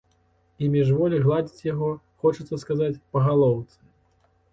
І міжволі гладзіць яго, хочацца сказаць, па галоўцы.